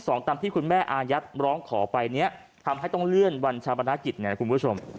ตามที่คุณแม่อายัดร้องขอไปเนี้ยทำให้ต้องเลื่อนวันชาปนกิจเนี่ยนะคุณผู้ชม